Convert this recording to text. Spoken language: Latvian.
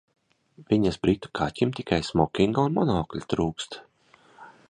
Viņas britu kaķim tikai smokinga un monokļa trūkst!